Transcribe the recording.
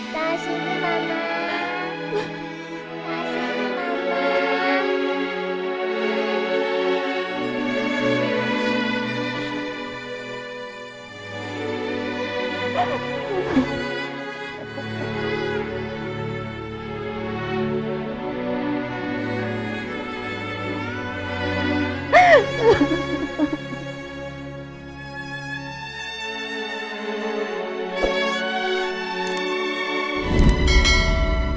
kasih di mama